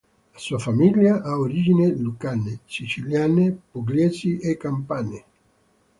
La sua famiglia ha origini lucane, siciliane, pugliesi e campane.